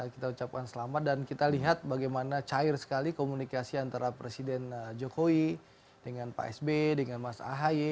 kita ucapkan selamat dan kita lihat bagaimana cair sekali komunikasi antara presiden jokowi dengan pak sb dengan mas ahaye